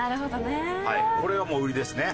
これがもう売りですね。